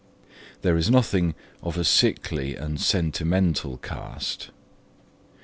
There is nothing of a sickly and sentimental cast.